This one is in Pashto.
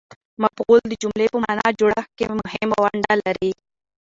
مفعول د جملې د مانا په جوړښت کښي مهمه ونډه لري.